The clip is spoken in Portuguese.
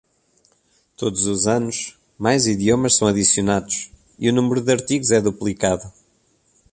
Todos os anos, mais idiomas são adicionados e o número de artigos é duplicado.